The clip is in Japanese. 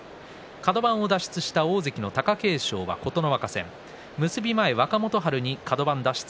カド番を脱出した貴景勝は琴ノ若戦。